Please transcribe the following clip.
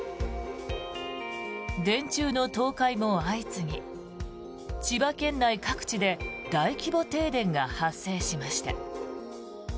電柱の倒壊も相次ぎ千葉県内各地で大規模停電が発生しました。